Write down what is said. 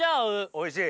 おいしい！